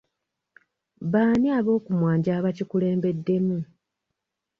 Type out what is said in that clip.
Baani ab'okumwanjo abakikulembeddemu?